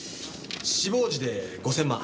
死亡時で５０００万。